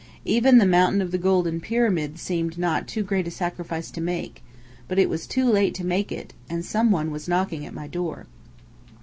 Even the Mountain of the Golden Pyramid seemed not too great a sacrifice to make but it was too late to make it and some one was knocking at my door.